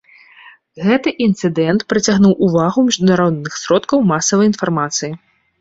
Гэты інцыдэнт прыцягнуў увагу міжнародных сродкаў масавай інфармацыі.